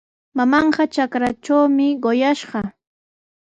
Mamaaqa trakratrawmi qunqashqa.